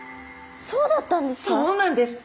そうだったんですか？